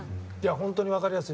本当に分かりやすい。